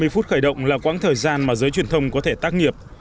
ba mươi phút khởi động là quãng thời gian mà giới truyền thông có thể tác nghiệp